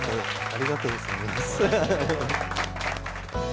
ありがとうございます。